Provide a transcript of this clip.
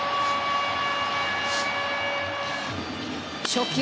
初球